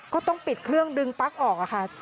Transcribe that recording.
ก็ต้องปิดเครื่องดึงปั๊กออกค่ะ